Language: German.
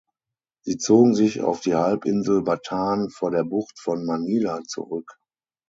Sie zogen sich auf die Halbinsel Bataan vor der Bucht von Manila zurück.